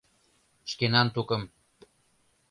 — Шкенан тукым.